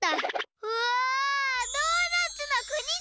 うわドーナツのくにだ！